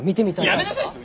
やめなさい！